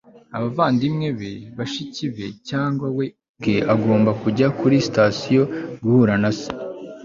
Abavandimwe be bashiki be cyangwa we ubwe agomba kujya kuri sitasiyo guhura na se